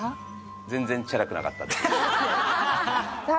全然チャラくなかったですさあ